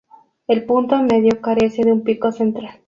El punto medio carece de un pico central.